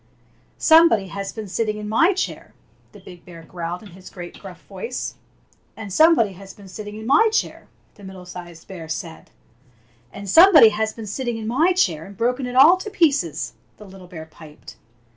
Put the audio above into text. "SOMEBODY HAS BEEN SITTING IN MY CHAIR!" the big bear growled in his great gruff voice. "And somebody has been sitting in my chair!" the middle sized bear said. 9 Fairy Tale Bears And somebody has been sitting in my chair and broken it all to 'pieces!'^ the little bear piped.